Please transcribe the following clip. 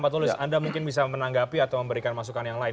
pak tulus anda mungkin bisa menanggapi atau memberikan masukan yang lain